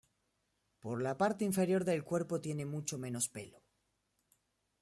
Por la parte inferior del cuerpo tiene mucho menos pelo.